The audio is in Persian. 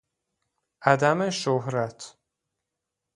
عدم شهرت